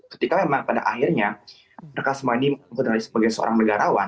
ketika memang pada akhirnya mereka semua ini sebagai seorang negarawan